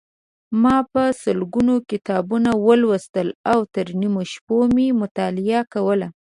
ما په سلګونو کتابونه ولوستل او تر نیمو شپو مې مطالعه کوله.